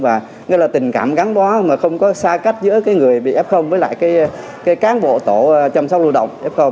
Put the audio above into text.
và tình cảm gắn bó mà không có xa cách giữa người bị f với lại cán bộ tổ chăm sóc lưu động f